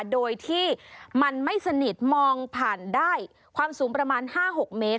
โดยที่มันไม่สนิทมองผ่านได้ความสูงประมาณ๕๖เมตร